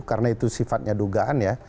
karena itu sifatnya dugaan ya